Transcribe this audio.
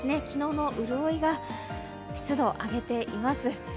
昨日の潤いが湿度を上げています。